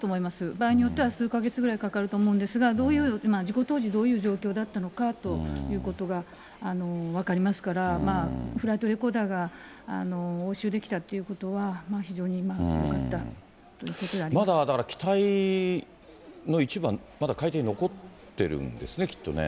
場合によっては数か月ぐらいかかると思うんですが、どういう、事故当時どういう状況だったのかということが分かりますから、フライトレコーダーが押収できたということは、まだだから、機体の一部はまだ海底に残ってるんですね、きっとね。